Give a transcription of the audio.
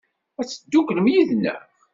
Ad tedduklem yid-neɣ?